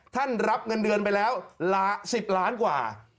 รับเงินเดือนไปแล้ว๑๐ล้านกว่า